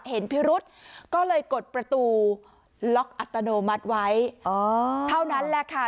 พิรุษก็เลยกดประตูล็อกอัตโนมัติไว้เท่านั้นแหละค่ะ